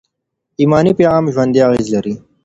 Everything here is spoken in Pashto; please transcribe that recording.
ایماني پیغام ژوندي اغېز لري.